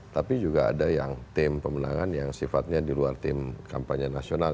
tapi juga ada yang tim pemenangan yang sifatnya di luar tim kampanye nasional